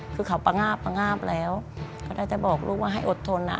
คือเขาประงาบประงาบแล้วก็ได้แต่บอกลูกว่าให้อดทนนะ